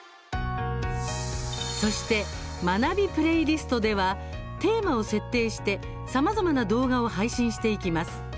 そして「まなびプレイリスト」ではテーマを設定して、さまざまな動画を配信していきます。